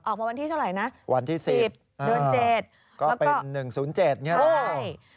ออกมาวันที่เท่าไหร่นะวันที่๑๐เดือน๗ก็เป็น๑๐๗ใช่